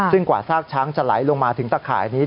ซึ่งกว่าซากช้างจะไหลลงมาถึงตะข่ายนี้